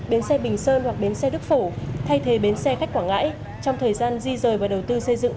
bến xe bình sơn hoặc bến xe đức phổ thay thế bến xe khách quảng ngãi trong thời gian di rời và đầu tư xây dựng